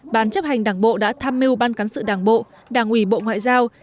bán chấp hành đảng bộ đã tham mưu ban cán sự đảng bộ đảng ủy bộ ngoại giao